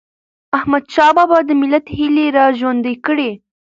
احمدشاه بابا د ملت هيلي را ژوندی کړي.